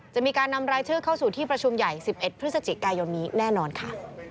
จะมีการนำรายชื่อเข้าสู่ที่ประชุมใหญ่๑๑พฤศจิกายนนี้แน่นอนค่ะ